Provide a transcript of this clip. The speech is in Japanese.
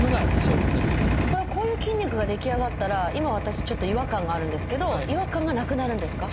これはこういう筋肉が出来上がったら今私ちょっと違和感があるんですけど違和感がなくなるんですか？